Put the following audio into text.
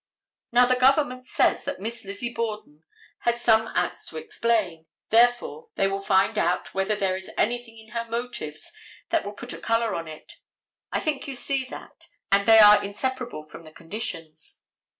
Now, the government says that Miss Lizzie Borden has some acts to explain, therefore they will find out whether there is anything in her motives that will put a color on it. I think you see that, and they are inseparable from the conditions.